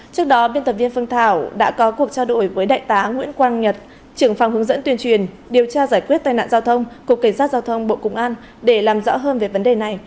trước đó biên tập viên phương thảo đã có cuộc trao đổi với đại tá nguyễn quang nhật trưởng phòng hướng dẫn tuyên truyền điều tra giải quyết tai nạn giao thông cục cảnh sát giao thông bộ công an để làm rõ hơn về vấn đề này